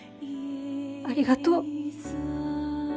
ありがとう。